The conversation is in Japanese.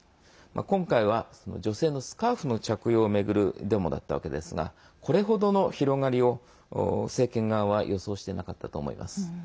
今回は女性のスカーフの着用を巡るデモだったわけですがこれほどの広がりを政権側は予想してなかったと思います。